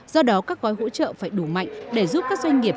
do đó các gói hỗ trợ phải đủ mạnh để giúp các doanh nghiệp